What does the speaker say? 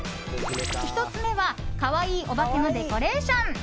１つ目はかわいいオバケのデコレーション。